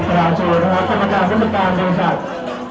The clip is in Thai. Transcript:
โปรดติดตามต่อไป